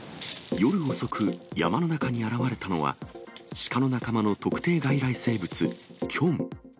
夜遅く、山の中に現れたのは、シカの仲間の特定外来生物、キョン。